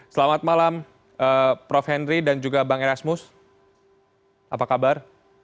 selamat malam prof henry dan juga bang erasmus apa kabar